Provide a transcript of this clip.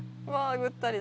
ぐったりだ